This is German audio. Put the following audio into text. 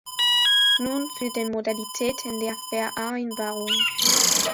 Nun zu den Modalitäten der Vereinbarung.